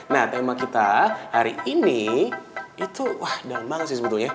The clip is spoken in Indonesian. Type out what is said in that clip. nah tema kita hari ini itu wah gampang sih sebetulnya